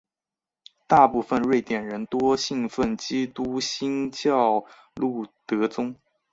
大部分瑞典人多信奉基督新教路德宗。